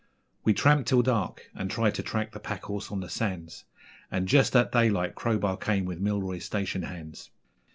We tramped till dark, and tried to track the pack horse on the sands, And just at daylight Crowbar came with Milroy's station hands.